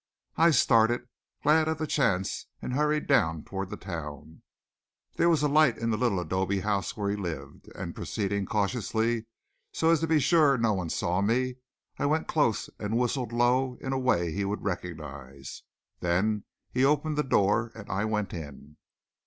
I started, glad of the chance and hurried down toward the town. There was a light in the little adobe house where he lived, and proceeding cautiously, so as to be sure no one saw me, I went close and whistled low in a way he would recognize. Then he opened the door and I went in.